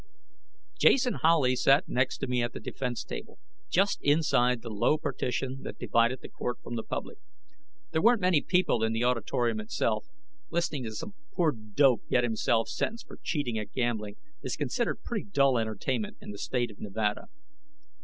Jason Howley sat next to me at the defense table, just inside the low partition that divided the court from the public. There weren't many people in the auditorium itself; listening to some poor dope get himself sentenced for cheating at gambling is considered pretty dull entertainment in the State of Nevada.